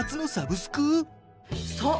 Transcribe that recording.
そう！